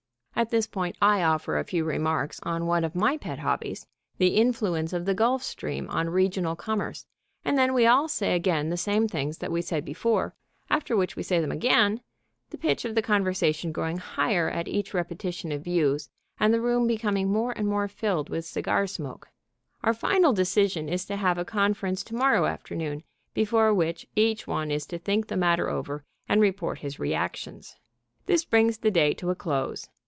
At this point I offer a few remarks on one of my pet hobbies, the influence of the Gulf Stream on Regional Commerce, and then we all say again the same things that we said before, after which we say them again, the pitch of the conversation growing higher at each repetition of views and the room becoming more and more filled with cigar smoke, Our final decision is to have a conference to morrow afternoon, before which each one is to "think the matter over and report his reactions." This brings the day to a close.